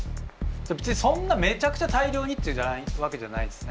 別にそんなめちゃくちゃ大量にっていうわけじゃないんすね。